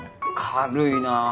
軽いなぁ。